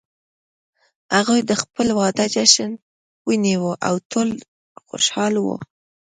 هغوی د خپل واده جشن ونیو او ټول خوشحال وو